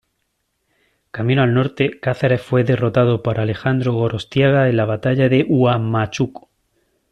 Camino al norte, Cáceres fue derrotado por Alejandro Gorostiaga en la Batalla de Huamachuco.